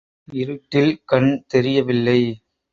இருட்டில் கண் தெரியவில்லை.